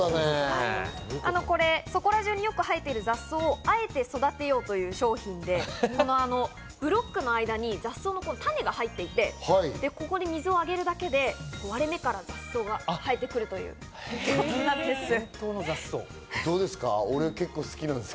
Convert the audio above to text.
これ、そこら中によく生えてる雑草をあえて育てようという商品でブロックの間に雑草の種が入っていて、ここに水をあげるだけで割れ目から雑草が生えてくるということなんです。